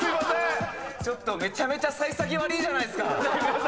ちょっとめちゃめちゃ幸先悪いじゃないですか。